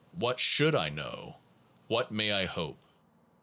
What should I do? What may I hope?